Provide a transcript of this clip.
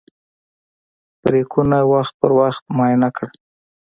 بریکونه وخت په وخت معاینه کړه.